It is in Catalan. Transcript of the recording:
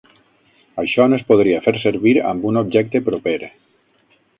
Això no es podria fer servir amb un objecte proper.